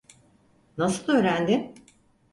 Nasıl öğrendin?